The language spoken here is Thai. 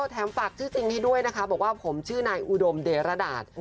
ฝากชื่อจริงให้ด้วยนะคะบอกว่าผมชื่อนายอุดมเดรดาต